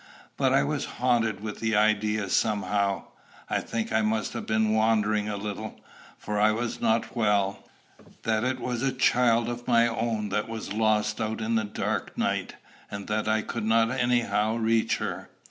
But I was haunted with the idea somehow, I think I must have been wandering a little, for I was not well, that it was a child of my own that was lost out in the dark night, and that I could not anyhow reach her.